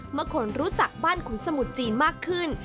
คนรู้จักบ้านขุนสมุทรจีนมากขึ้น